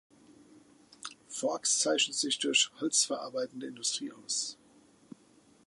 Forks zeichnet sich durch holzverarbeitende Industrie aus.